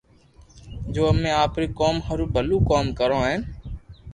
جو امي آپري قوم ھارو ڀلو ڪوم ڪرو ھين